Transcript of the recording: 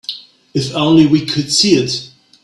If only we could see it.